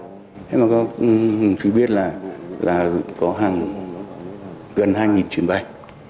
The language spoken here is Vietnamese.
thế mà có thì biết là là có hàng gần hai chuyến bay